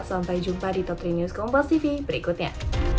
sampai jumpa di top tiga news kompas tv berikutnya